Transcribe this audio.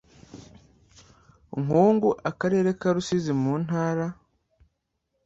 Nkungu Akarere ka Rusizi mu Ntara